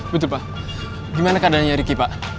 betul pak gimana keadaannya riki pak